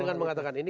dengan mengatakan ini